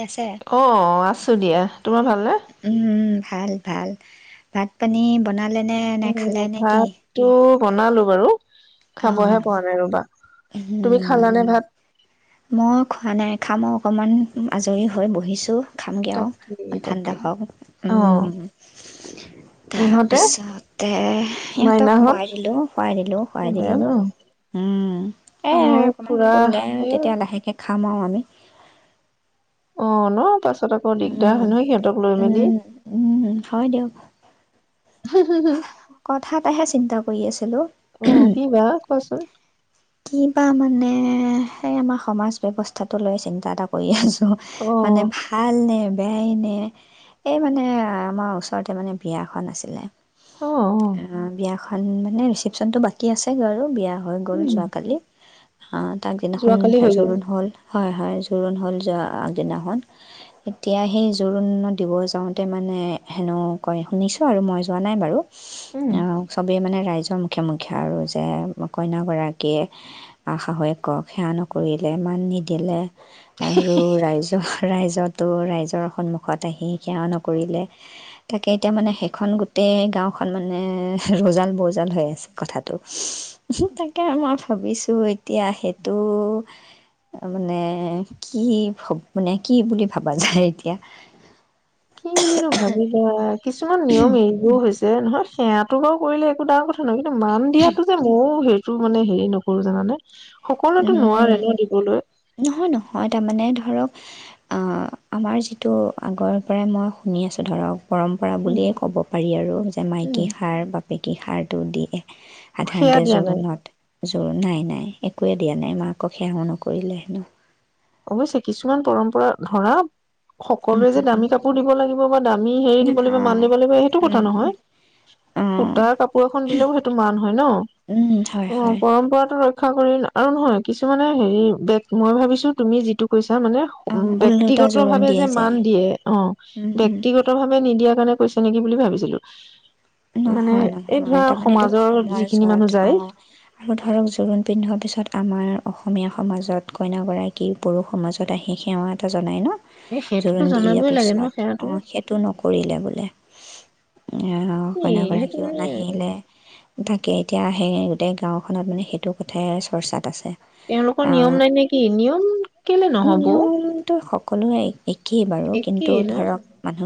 আছে অ আছো দিয়া তোমাৰ ভালনে উম ভাল ভাল ভাত পানী বনাত উ ভাতটো বনালো বাৰু অ খাবহে পোৱা নাই ৰবা তুমি খাল লানে ভাত মই খোৱা নাই খাম অ অকণমান আজৰি হৈ বহিছোঁ। খামগৈ আৰু অ তাকেই ঠাণ্ডা তাকেই, হওক অ', উম ইহঁতে তাৰপিছতে সিহঁতক মাইনাহঁত খুৱাই দিলো খুৱাই দিলো খুৱাই শুলে দিলো ন? উম এ আমাৰো অকমান খুৰা খুলে এই তেতিয়া লাহেকে খাম আও আমি অ ন পচ ছত আকৌ দিগদাৰ উম, হয় নহয় সিহঁতক লৈ মেলি উম, উম, হয় দিয়ক হু হু কথা এটাহে চিন্তা কৰি আছো অ' কি বা কোৱাচোন কি বা মানে সেই আমাৰ সমাজ ব্যৱস্থাটো লৈ চিন্তা এটা কৰি আছো। মানে অ', ভাল নে বেয়াই নে এই মানে আমাৰ ওচৰতে মানে বিয়াখন আছিলে অ', অ', আ' বিয়াখ ভাল মানে ৰিচিপশ্বনটো বাকী আছে গৈ আৰু বিয়া হৈ গ'ল উম, যো অ', তাৰ আগদিনাখন যোৱাকালি হৈ গ'ল, জোৰণ হ'ল। হয় হয় জোৰোণ হ'ল যোৱা আগদিনাখন। এতিয়া সেই জোৰোণত দিব যাওঁতে মানে হেনো কয় শুনিছোঁ আৰু মই যোৱা নাই বাৰু উম। অ', চবেই মানে ৰাইজ ৰ মুখে-মুখে আৰু যে কইনাগৰা কীয়ে শাহুয়েকক সেৱা নকৰিলে মান নিদিলে আৰু ৰাইজৰ ৰাইজত তটো ৰাইজৰ সন্মুখত আহি সেৱা নকৰিলে তাকে এতিয়া মানে সেইখন গোটেই গাঁওখন মানে ৰৌজাল-বৌজাল হৈ আছে কথাটো তাকেই মই ভাবিছোঁ এতিয়া সেইটো মানে কি ভব মানে কি বুলি ভাবা যায় এতিয়া কি বুলি নো ভাবিবা কিছুমান নিয়ম এৰিবও হৈছে যে নহয় সেৱাতো বাৰু কৰিলে একো ডাঙৰ কথা নহয় কিন্তু মান দিয়াতো যে ময়ো হেৰি টো মানে হেৰি নকৰো জানানে সকলোতো উম নোৱাৰে ন দিবলৈ নহয় নহয় তাৰমানে ধৰক অহ', আমাৰ যিটো আগৰ পৰাই মই শুনি আছোঁ ধৰক পৰম্পৰা উম বুলিয়েই ক'ব পাৰি আৰু যে উম মাইকী সাৰ বা সাৰটো দি সেয়া সাধাৰণতে দিয়া নাই জোৰোণত জোৰণ নাই নাই এ একোৱে দিয়া নাই মাকক সেৱাও নকৰিলে হেনো। অৱশ্যে কিছুমান পৰম্পৰা ধৰা সকলোৱে যে দামী কাপোৰ দিব লাগিব বা দামী হেৰি দিব লাগিব মান দিব লাগিব সেইটো কথা নহয় সুতাৰ কাপোৰ এখন দিলেও সেইটো মান হয় ন' অঁ হয় অ', হয় পৰম্পৰাটো ৰ ৰক্ষা কৰি আৰু নহয় কিছুমানে হেৰি বে মই ভাবিছো তুমি যিটো কৈছ ছাৰ মানে অ ওলোটা জোৰোণ ব্যক্তিগতভাৱে দিয়ে যে মান দিয়ে অ', উম উম ব্যক্তিগতভাৱে নিদিয়াৰ কাৰণে কৈছে নেকি বুলি ভাবিছিলো মানে নহয় এই নহয় ধৰা তাৰমানে এইটো সমাজৰ যিখিনি সমাজত মানুহ যায় অ', আৰু ধৰক জোৰোণ পিন্ধোৱাৰ পিছত আমাৰ অসমীয়া সমাজত কইনাগৰাকী পৰুষ সমাজত আহি সেৱা এটা জনায় ন' এই সেইটোতো জোৰোণ দি দিয়াৰ জনাবই লাগে ন পিছত সেৱাটো অহ' সেইটো নকৰিলে বোলে অ' কি সেইটো কইনাগৰাকীও মানে নাহিলে তা। এতিয়া সেই গোটেই গাঁওখনত মানে সেইটো কথাই চৰ্চাত আছে। তেওঁলোকৰ নিয়ম নাই নেকি? নিয়ম কেলে নহব ও নিয়মটো সকলোৰে একেই ন।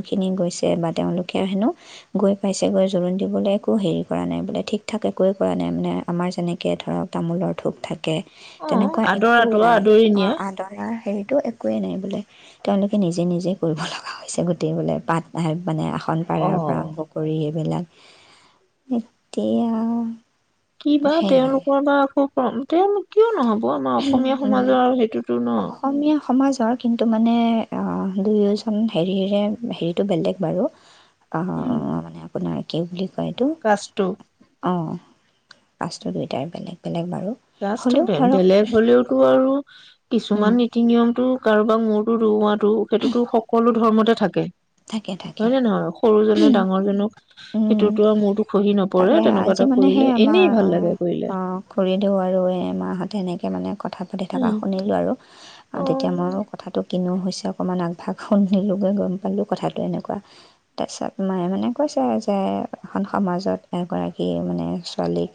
খিনি গৈছে বা তেওঁলোকে হেনো গৈ পাইছে। তেকৈ জোৰোণ দিবলৈ একো হেৰি কৰা নাই বোলে ঠিক ঠাক একোৱে কৰা নাই মানে আমাৰ যেনেকৈ ধৰক তামোলৰ থোক থাক- কে অ তেনেকুৱা একো আদৰাটো নাই আদৰি অ নিয়া আদৰৰ। হেৰিটো একোৱেই নাই বোলে তেওঁলোকে নিজে নিজে কৰিব লগা হৈছে গোটেই বোলে পাত। মানে আসন অ পাৰাৰ পৰা আৰম্ভ কৰি। বিলাক এতিয়া, কি বা সেয়ে তেওঁলোকৰ বা আকৌ। কম তেওঁনো কিয় নহ'ব? হব আমাৰ অসমীয়া সমাজৰ আৰু সেইটোতো ন। অসমীয়া সমাজৰ কিন্তু মানে অ দুয়োজন হেৰিৰে হেৰিটো বেলেগ বাৰু। অহো অহ মানে। আপোনাৰকে বুলি। এইটো কাষ্টটো অহ। কাষ্টু দুইটায় বেলেগ বেলেগ বা- কাষ্ট বেলেগ। হ'লেও তু- বাৰু উম কিছুমান নীতি-নিয়মতটো- কাৰোবাক মূৰটো দোৱোৱাটো সেইটোতো সকলো ধৰ্মতে থাকে। থাকে থাকে হয় নে নহয় সৰুজনে ডাঙৰজনক উম সেইটোতো আৰু মোৰতো খহি নপৰে তাকে তেনেকুৱা আজি এটা মানে কৰিলে এনেই ভাল লাগে কৰিলে। দিওঁ আৰু এমাহঁত এনেকে মানে- কথা পাতি থকা উম শুনিলোঁ আৰু অ তেতিয়া মইও কথাটো কিনো হৈছে - পিছে অকণমান আগভাগ শুনিলগৈ গ'ম- পালোঁ কথাটো এনেকুৱা তাৰপিছত মায়ে মানে কৈছে যে এখন সমাজত এগৰাকী মানে ছোৱালীক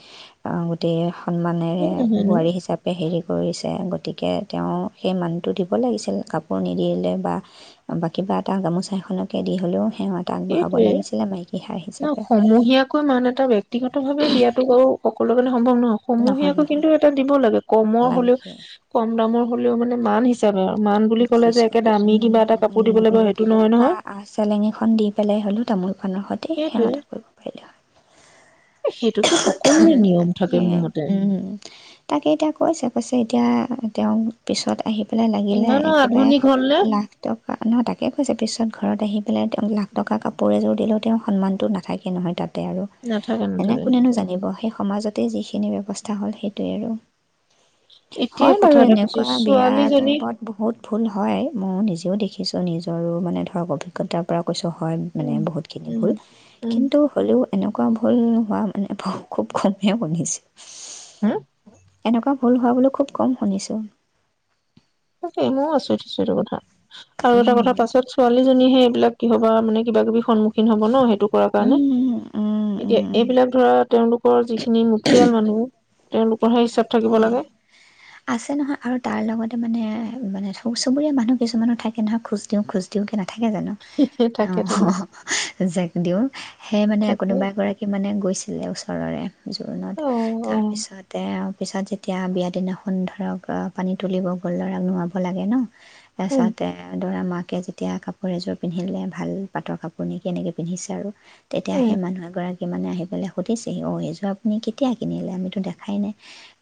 আহ গোটেই- সন্মানেৰে নহয়নো বোৱাৰী হিচাপে হেৰি - কৰিছে গতিকে তেওঁ সেই মানুহটো দিব লাগিছিল কাপোৰ নিদিলে বা বাকী বা- ত গামোচা এখনকে দি হ'লেও সেৱা এটা আগবঢ়াব এইটোৱে লাগিছিলে মাইকী হাঁহ ন হিচাপে সমূহীয়াকৈ মান এটা ব্যক্ত ব্যক্তিগত ভাৱে দিয়া টো বাৰু সকলো মানুহে সম্ভৱ নহয় সমূহীয়াকো কিন্তু এটা দিব লাগে কমৰ হ'লেও লাগে কম দামৰ হ'লেও মানে মান হিচাপে আৰু মান বুলি ক'লে যে দিছো একে দামী কিবা এটা উম কাপোৰ দিব উম লাগিব উম সেইটো নহয় বা নহয় চেলেঙ এখন দি পেলাই হলো তামোল পানৰ সত সেই সিহঁতে সেইটোৱে কৰিব পাৰিলে হয় সেইটো তাকে উম তাকে এতিয়া কৈছে কৈছে এতিয়া তেওঁ পিছত আহি বুলে লাগিলে ইমানো একেবাৰে আধুনিক হলে নাকটো পা। নহয় তাকেই কৈছে, পিছত ঘৰত আহি পেলাই তেওঁক লাখ টকা কাপোৰ এযোৰ দিলেও তেওঁ সন্মানটো নাথাকে নহয় তাত। দে আৰু। নাথাকে এনে নাথাকে কোনেনো জানিব? সেই সমাজতে যিখিনি ব্যৱস্থা হ'ল, সেইটোৱে আৰু। এতিয়া হ'য় বাৰু কথা এটা কৈছো এনেকুৱা। বিয়াৰ ছোৱালীজনী পূৰ্বত বহুত ভুল হয়। মই নিজেও দেখি কিছু নিজৰো মানে ধৰক অভিজ্ঞতাৰ পৰা কৈছোঁ হ'য় মানে উম বহুতখিনি উম ভুল, উম কিন্তু হ'লেও এনেকুৱা ভুল হোৱা মানে খুব কমহে শুনিছো। হম এনেকুৱা ভুল হোৱা বুলি খুব কম শুনিছোঁ। ত মইও আচৰিত হৈছে এইটো কথা। আৰু এটা কথা, উম পাছত ছোৱালীজনীহে এইবিলাক কিহবা মানে কিবা কিবি সন্মুখ সি হবনো সেইটো কৰাৰ কাৰণে। উম উম এতিয়া উম এইবিলাক ধৰা তেওঁলোক ক' যি যিখিনি মুখিয়াল মানুহ, তেওঁলোকৰহে ইচ্ছাতো থাকিব এ লাগে। আছে নহয় আৰু তাৰ লগতে মানে, মানে চুবু চুবুৰীয়া মানুহ কিছুমানো থাকে নহয়। খোজ দিওঁ, খোজ দিওঁ কেনেকা নাথাকে জানো? থাকে অ', থাকে অ'। জেক দিওঁ, সেই মানে থাকে কোনোবা এগৰাকী মানে গৈছিলে ওচৰৰে জোৰোণত। অ অ তাৰপিছতে পিছত যেতিয়া বিয়াৰ দিনা ধৰক পানী তুলিব গ'ল, ল'ৰাক নোৱাব লাগে নো? উম তাৰপাছতে দৰা মাক লোকে যেতিয়া কাপোৰ এযোৰ পিন্ধিলে ভাল পাতৰ কাপোৰ নেকি, এনেকৈ পিন্ধিছে আৰু। তেতিয়া উম সে মানুহ এগৰাকী সি মানে আহি পেলাই সুধিছেহি- অ', এইযোৰ আপুনি কেতিয়া কিনিলে? আমিতো দেখাই নাই।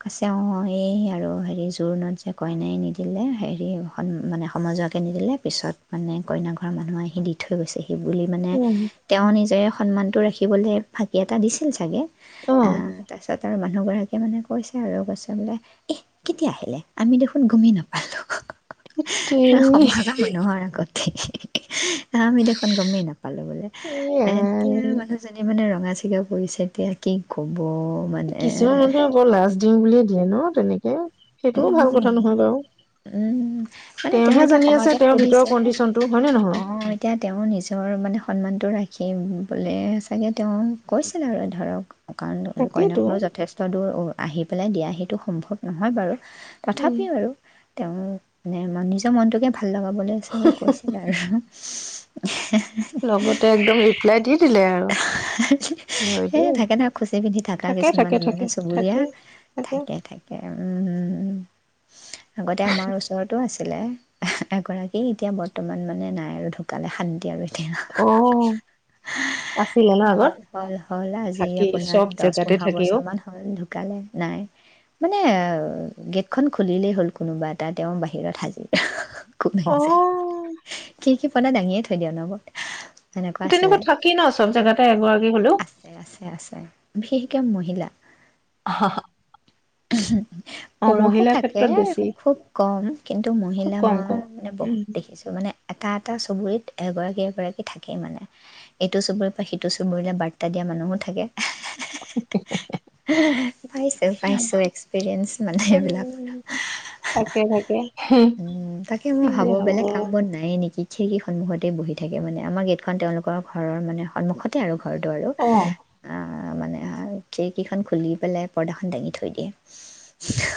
কৈছে, অ', এই আৰু আৰু হেৰি জোৰোণত যে কইনাই নিদিলে, হেৰি মান মানে সমাজুৱাকৈ নিদিলে, পিছত মানে কইনা ঘৰৰ মানুহে আহি দি থৈ গৈছেহি। বুলি মানে উম তেওঁ নিজে সন্মানতটো ৰাখি থাকিবলৈ ফাঁকি এটা দিছিল চাগে। অ', তাৰ পিছত আৰু মানুহ গৰাকী মানে কৈছে আৰু। কৈছে বোলে এ, কেতিয়া আহিলে? আমি দেখোন গমেই নাপালো। তে সমাজৰ মানুহৰ আগতে [inaudible] আ আমি দেখোন গমেই নাপালো। বোলে এতিয়া এয়াই মানুহজনী মানে ৰ ৰঙা-চিঙা প। এতিয়া কি ক'ব! মানে কিছুমান মানহে বৰ লাজ দিিম বুলিয়ে দিয়ে ন তেনেকে উ সেইটোও ভাল কথা নহয় বাৰু উম মানে তেওঁ তেওঁহে এতিয়া জানি আছে সমাজত তেওঁৰ ভিতৰৰ সুধিছে কণ্ডিচনটো হয় নে অ নহয় এতিয়া তেওঁ নিজৰ মানে সন্মানটো ৰাখি সেই বোলে চাগে তেওঁ কৈছিল আৰু ধৰক কাৰণ কইন তাকেইতো ঘাৰো যথেষ্ট দূৰ আহি পেলাই দিয়া সেইটো সম্ভৱ নহয় বাৰু উম তথাপিও আৰু তেওঁ মে নিজৰ মনটোকে ভাল ভাল লগা বুলি চাগে কৈছিল আৰু উ লগতে একদম ৰিপ্লাই দি দিলে আৰু হয় এ দেই থাকে ন খুচি পিন্ধি থকা থাকে কিছুমান থাকে মানে থাকে চুবুৰীয়া থাকে থাকে থাকে উম আগতে আমাৰ ওচৰতো আছিলে এগৰাকী এতিয়া বৰ্তমান মানে নাই আৰু ঢুকালে শান্তি আৰু এতিয়া আহ হল হল হ'ল আজি আপোনাৰ চব দহ জেগাতে পোন্ধৰ থাকি অ বছৰ মান হ'ল ঢুকালে নাই মানে এ গেটখনন খুলিলেই হ'ল কোনোবা এটা তেওঁৰ বাহিৰত হাজি খুব অ নছে কি কি পনা দাঙিয়ে থৈ দিিয়ওঁ লগত তেনেকুৱা থাকেই ন চব জেগাতে এগৰাকী হলেও আছে আছে আছে বিশেষকে মহিলা অ পুৰুষো মহিলাৰ থাকে ক্ষেত্ৰত বেছি খুব কম কিন্তু খুব মহিলা কম মই কম মানে বহুত উম দেখিছো মানে এটা এটা চুবুৰীত এগৰাকী এগৰাকী থাকেই মানে এইটো চবৰে ত সিটো চুৰৰিলে বাৰ্তা দিয়া মানুহো থাকে পাইছো পাইছো এক্সপিৰিয়েঞ্চ মানে এইবিলাকৰ উম, থাকে থাকে উম তাকে কি মই যে ভাবোঁ হ'ব বেলেগ কামবোৰ নায়ে নেকি খিৰিকী সন্মুখতেই বহি থাকে মানে, আমাৰ গেটখন তেওঁলোকৰ ঘৰৰ মানে- সন্মুখতে আৰু। ঘটো আৰু, অ স আ আ মানে আ, খিৰিকীখন খুলি পেলাই, পৰ্দাখন দাঙি থৈ দিয়ে।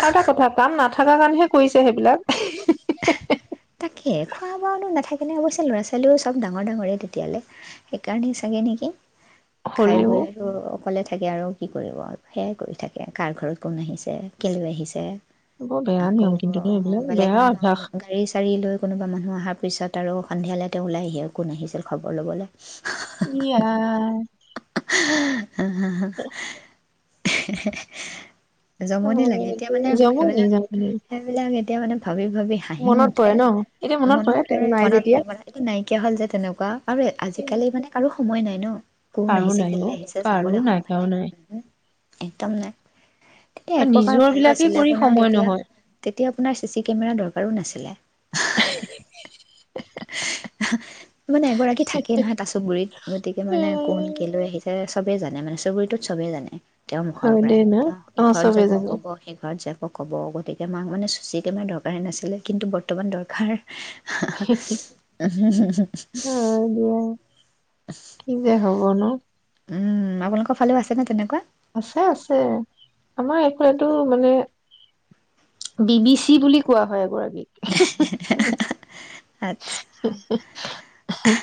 আৰু এটা কথা, কাম নাথাকা কাৰণেহে কৰিছে সেইবিলাক। এ হি- এহ। তাকে। খোৱা বোৱানো নাথা- এনে অৱশ্যে ল'ৰা-ছোৱালীও চব ডাঙৰ ডাঙৰেই তেতিয়ালৈ, সেইকাৰণে চাগে নেকি। খাই হ'লেও বৈ আৰু- অকলে থাকে আৰু কি কৰিব, সেয়াই কৰি থাকে। কাৰ ঘৰত কোন আহিছে, কেলৈ আহিছে। বৰ বেয়া আকৌ নিয়ম কিন্তু দেই এইবিলাক, বেলেগ বেয়া মানুহৰ অভ্যাস। গাড়ী চাৰি লৈ কোনোবা অহাৰ পিছত আৰু সন্ধিয়ালে তেওঁ ওলাই আহি কোন আহিছিল খবৰ ল'বলৈ। ইয়া হ'হ এহ হে হে। অ জমনি লাগে। এতিয়া মানে জমনি সেইবিলাক, জমনি সেইবিলাক‌ এ- তেওঁ মানে ভা- ভাৱি ভাৱি হাঁহি মনত উঠে। পৰে ন এতিয়া মনত তেওঁ পৰে নাই মনত যেতিয়া পৰে। এইটো নাই। কিয়‌ হ'ল যে তেনেকোৱা। আৰু আজিকালি মানে কাৰো সময় নাই ন। কোন কাৰো আহিছে, নাই কেলে অ আহিছে, কাৰো চাবলে সময় কাৰো নাই হুম একদম নাই। আৰু এক প্ৰকাৰ নিজৰ ভালো বিলাকেই আছিলে কৰি আপোনাৰ সময় তেতিয়া নহয়। তেতিয়া আপোনাৰ চি চি কেমেৰা দৰকাৰো নাছিলে। অহ হে হে হে, মানে এগৰাকী থাকেই নহয় তাচো বুৰিত, গতিকে এ মানে কোন কেলৈ আহিছে চ- চবে জানে মানে চুবুৰীটোত, চবে জানে। তেওঁৰ মুখৰ হয় পৰাই। দেই ন তেওঁ ই অ ইঘৰত চবে যাব জানো ক'ব, সেই ঘৰত যাব- অ ক'ব, গতিকে মাক মানে চি চি কেমেৰা দৰকাৰে নাছিলে, কিন্তু বৰ্তমান দৰকাৰ। হ হ, উম হম হম হম হয় দিয়া কি যে হ'ব ন। হম আপোনালোকৰ ফালেও আছেনে তেনেকোৱা? আছে আছে। আমাৰ এইফালেটো মানে, বি বি চি বুলি কোৱা হয় এগৰাকী- কি, আচ্ছা হি হি‌ হি, হি‌‌ হি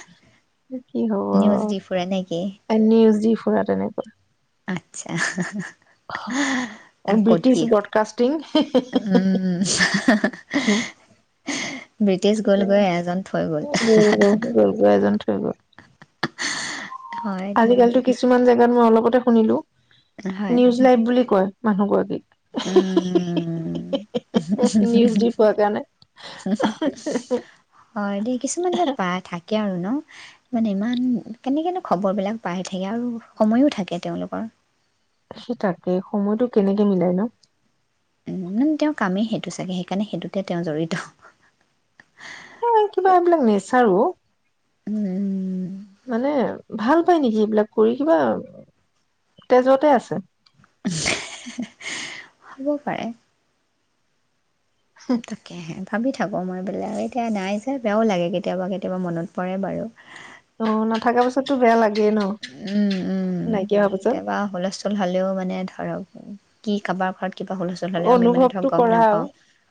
হি কি হ'ব নিউজ দি ফুৰে নেকি এনি ইউজিফ। পুৰা তেনেকুৱা। আচ্ছা ক'ত কি ব্ৰিটিছ ব্ৰডকাষ্টিং উম ব্ৰিটিছ গ'লগৈ এজন থৈ গল গল গল এজন থৈ গ'ল হয় দিয়ক আজিকালিতো কিছুমান জেগাত মই অলপত শুনিলো নিউজ লাইভ বুলি কয় মানুহগৰাকীক উ হু হু নিউজ হু দি পোৱা কাৰণে হু হয় দেই কিছুমান যে পা থাকে কে আৰু ন মানে ইমান কেনেকেনো খবৰবিলাক পাই থাকে আৰু সময়ো থাকে তেওঁলোকৰ সি তাকে সময়টো কেনেকে মিলাই ন উ ম তেওঁৰ কামেই সেইটো চাগে সেইকাৰণে সেইটোতে তেওঁ জড়িত এ কিবা এইবিলাক নেচাৰ অ' উম উম ভাল পাই নেকি এইবিলাক কৰি কিবা তেজতে আছে হব পাৰে তাকে ভাবি থাকোঁ মই বোলে এতিয়া নাই যে বেয়াও লাগে কেতিয়াবা কেতিয়াবা মনত পৰে বাৰু অ নাথাকা পাছততো বেয়া লাগে উম উম পাছত কেতিয়াবা হুলস্থুল হলেও মানে ধ ধৰক কি কাৰোবাৰ ঘৰত কিবা হুলচুল হ'লেও আমি মানে ধৰক অনুভৱটো গম কৰা আৰু নাপাও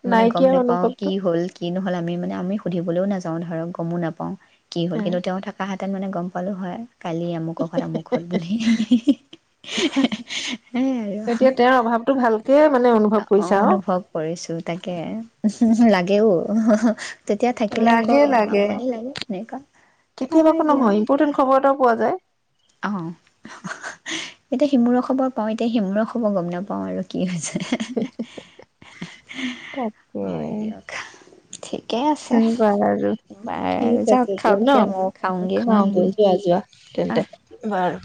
মানে গম নাইকিয়া নাপাও অনুভৱটো কি হ'ল কি নহ'ল আমি মানে আমি সুধিবলৈও নাযাওঁ ধৰক গমো নাপাওঁ কি হ'ল কিন্তু তেওঁ থকা হাত তেন মানে গম পালোঁ হয় কালি আমুক ঘৰত আমুক হল বুলি সেই আৰু এতিয়া তেওঁৰ অভাৱটো ভালকে মানে অনুভৱ অ কৰিছা অনুভৱ কৰিছো তাকে উ লাগেও তেতিয়া থাকিলে আকৌ লাগে লাগে আমনি লাগে এনেকুৱা কেতিয়াবা হয় একো নহয় ইম্পৰ্টেণ্ট খবৰ এটাও পোৱা যায় অ এতিয়া সিমূৰৰ খবৰ পাও এতিয়া সিমূৰ খবৰ গম নাপাও আৰু কি হৈছে তাকে। হয় দিয়ক ঠিকে আছে, বাৰু বাৰ ঠিক যাওক আছে দিয়া খাওকগে ময়ো ন খাওঁগে উম, খাওগৈ যোৱা যোৱা। আহ তেন্তে বাৰ